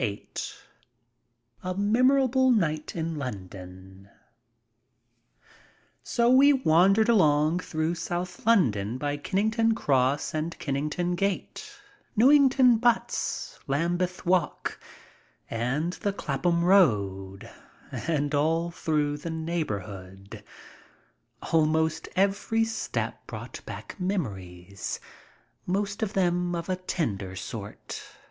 VIII A MEMORABLE NIGHT IN LONDON SO we wandered along through South London by Kenn ington Cross and Kennington Gate, Newington Butts, Lambeth Walk, and the Clapham Road, and all through the neighborhood. Almost every step brought back memories, most of them of a tender sort.